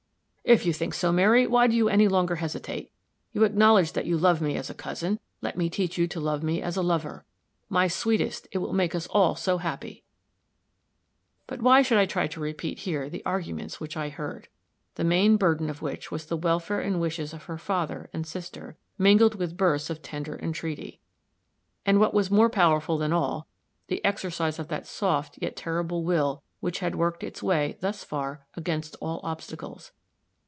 "If you think so, Mary, why do you any longer hesitate? You acknowledge that you love me as a cousin let me teach you to love me as a lover. My sweetest, it will make us all so happy." But why should I try to repeat here the arguments which I heard? the main burden of which was the welfare and wishes of her father and sister mingled with bursts of tender entreaty and, what was more powerful than all, the exercise of that soft yet terrible will which had worked its way, thus far, against all obstacles.